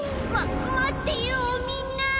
まっまってよみんな！